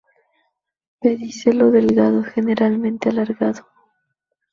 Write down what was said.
Pedicelo delgado, generalmente alargado.